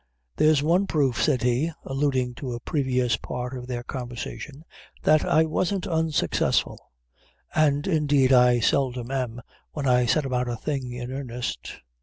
"There's one proof," said he, alluding to a previous part of their conversation, "that I wasn't unsuccessful, and, indeed, I seldom am, when I set about a thing in earnest."